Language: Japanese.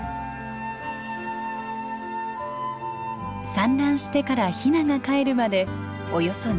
産卵してからヒナがかえるまでおよそ２週間。